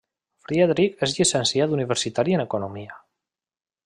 Friedrich és llicenciat universitari en Economia.